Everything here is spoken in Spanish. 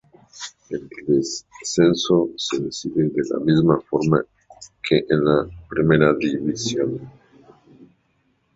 El descenso se decide de la misma forma que en la primera división.